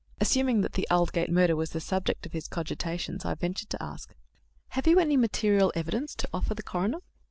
Assuming that the Aldgate murder was the subject of his cogitations, I ventured to ask: "Have you any material evidence to offer the coroner?"